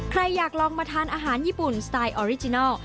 ใครอยากลองมาทานอาหารญี่ปุ่นสไตล์ออริจินัล